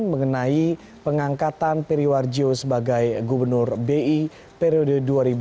mengenai pengangkatan peri warjio sebagai gubernur bi periode dua ribu delapan belas dua ribu dua puluh tiga